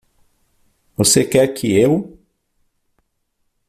Você quer que eu?